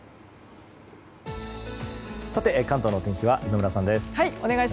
関東のお天気は今村さんです。